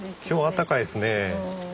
今日暖かいですね。